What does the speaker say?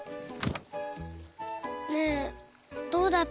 ねえどうだった？